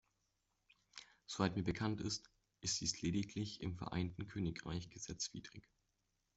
Soweit mir bekannt ist, ist dies lediglich im Vereinigten Königreich gesetzwidrig.